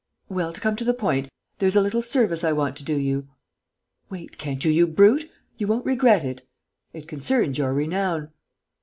Well, to come to the point, there's a little service I want to do you.... Wait, can't you, you brute?... You won't regret it.... It concerns your renown....